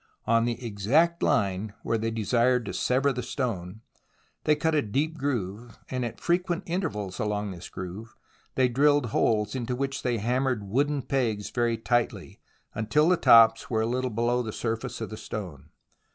On the exact line where they desired to sever the stone, they cut a deep groove, and at frequent intervals along this groove they drilled holes, into which they hammered wooden pegs very tightly, until the tops were a little below the surface of the stone.